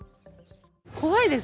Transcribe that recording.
怖いです。